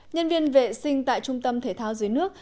nhân viên vệ sinh tại trung tâm thể thao dưới nước